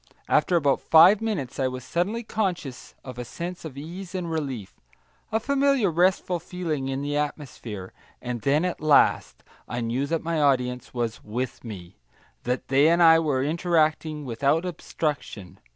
After about five minutes I was suddenly conscious of a sense of ease and relief, a familiar restful feeling in the atmosphere; and then, at last, I knew that my audience was "with me," that they and I were interacting without obstruction.